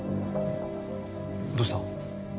どうした？